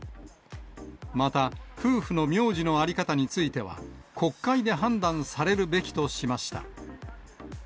また、夫婦の名字の在り方については、国会で判断されるべきとしました。